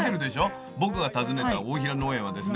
僕が訪ねた大平農園はですね